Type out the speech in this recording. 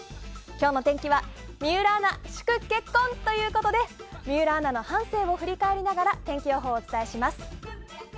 今日の天気は水卜アナ祝結婚ということで水卜アナの半生を振り返りながら天気予報をお伝えします。